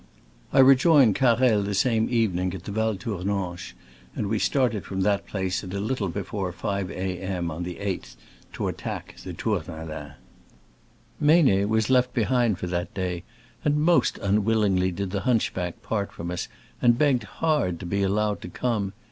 I rejoined Carrel the same evening at Val Tournanche, and we started from that place at a little be fore five A. M. on the 8th to attack the Tournalin. Meynet was left behind for that day, and most unwillingly did the hunchback part from us, and begged hard to be allowed to come.